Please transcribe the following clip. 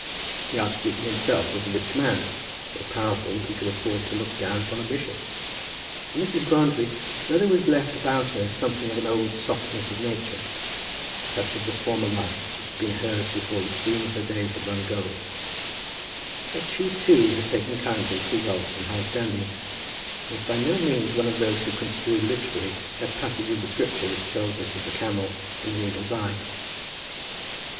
The archdeacon himself was a rich man, so powerful that he could afford to look down upon a bishop; and Mrs. Grantly, though there was left about her something of an old softness of nature, a touch of the former life which had been hers before the stream of her days had run gold, yet she, too, had taken kindly to wealth and high standing, and was by no means one of those who construe literally that passage of scripture which tells us of the camel and the needle's eye.